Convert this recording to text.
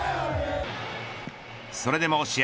それでも試合